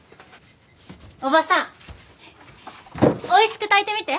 叔母さんおいしく炊いてみて。